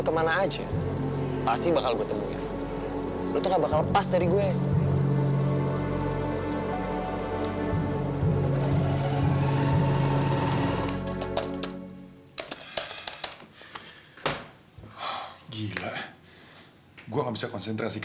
kamu pastikan kalau perempuan sinan itu udah pergi dari sini